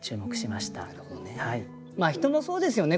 人もそうですよね。